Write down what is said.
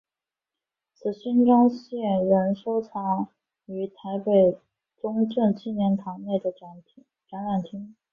此勋章现今仍收藏于台北中正纪念堂内的展览厅。